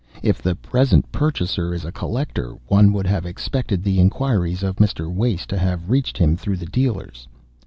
If the present purchaser is a collector, one would have expected the enquiries of Mr. Wace to have reached him through the dealers.